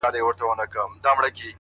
چي د صبر شراب وڅيښې ويده سه~